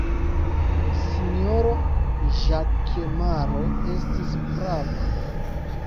Sinjoro Ĵakemaro estis prava.